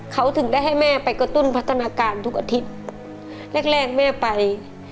เขาถึงได้ให้แม่ไปกระตุ้นพัฒนาการทุกอาทิตย์แรกแรกแม่ไป